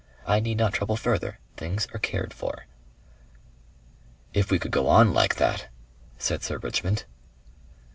I need not trouble further; things are cared for.'" "If we could go on like that!" said Sir Richmond.